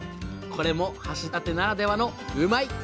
これも橋立ならではのうまいッ！